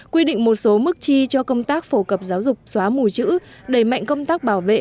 quy định một số mức chi cho công tác phổ cập giáo dục xóa mù chữ đẩy mạnh công tác bảo vệ